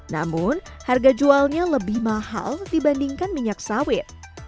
namun harga jualnya lebih mahal dibandingkan minyak sawit